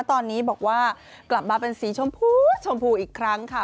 ตอนนี้บอกว่ากลับมาเป็นสีชมพูชมพูอีกครั้งค่ะ